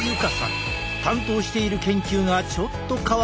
担当している研究がちょっと変わっているという。